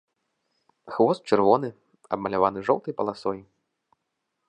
Хвост чырвоны, аблямаваны жоўтай паласой.